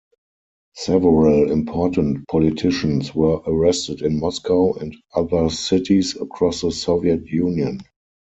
Several important politicians were arrested in Moscow and other cities across the Soviet Union.